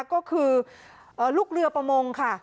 ก็คือลูกเรือประมงค่ะ